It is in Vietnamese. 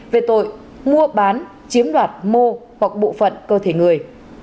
về tội mua bán chiếm đoạt mô hoặc bộ phận cơ thể người